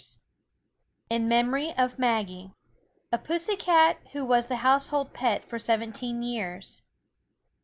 143 IN MEMORY OF "MAGGIE" A pussy cat who was the household pet for seventeen years.